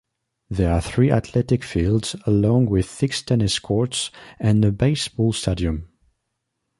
There are three athletic fields along with six tennis courts and a baseball stadium.